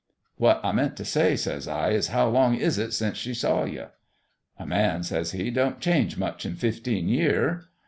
"' What I meant t' say,' says I, * is how long is it since she's saw you ?'"' A man,' says he, * don't change much in fifteen year.'